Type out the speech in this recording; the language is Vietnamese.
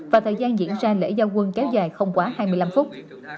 và thời gian diễn ra lễ giao quân kéo dài không quá hai mươi năm phút